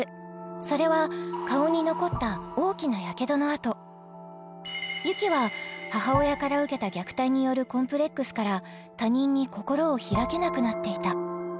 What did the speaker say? それは顔に残った大きな雪は母親から受けた虐待によるコンプレックスから他人に心を開けなくなっていた